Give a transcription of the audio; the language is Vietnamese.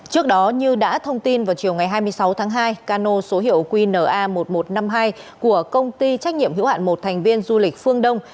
trước đó như đã thông tin vào chiều ngày hai mươi sáu tháng hai cano số hiệu qna một nghìn một trăm năm mươi hai của công ty trách nhiệm hữu hạn một thành viên du lịch phương đông